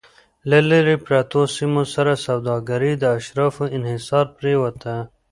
له لرې پرتو سیمو سره سوداګري د اشرافو انحصار پرېوته